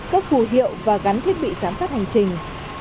cấp phù hiệu và gắn thiết bị giám sát hành trình